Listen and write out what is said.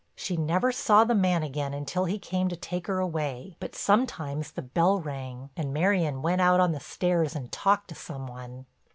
She never saw the man again until he came to take her away, but sometimes the bell rang and Marion went out on the stairs and talked to some one.